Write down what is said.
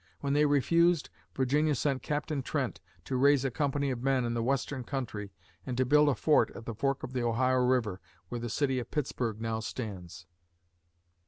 When they refused, Virginia sent Captain Trent to raise a company of men in the western country and to build a fort at the fork of the Ohio River, where the city of Pittsburgh now stands.